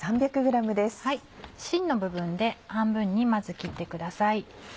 芯の部分で半分にまず切ってください。